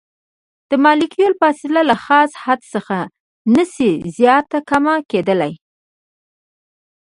د مالیکول فاصله له خاص حد څخه نشي زیاته کمه کیدلی.